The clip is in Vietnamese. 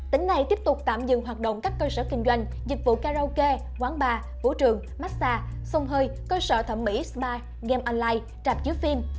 tỉnh này tiếp tục tạm dừng hoạt động các cơ sở kinh doanh dịch vụ karaoke quán bar vũ trường massage sông hơi cơ sở thẩm mỹ spa game online chạp chiếu phim